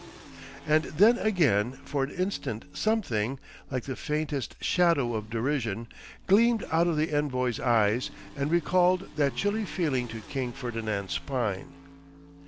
And then again for an instant something—like the faintest shadow of derision—gleamed out of the envoy's eyes and recalled that chilly feeling to King Ferdinand's spine.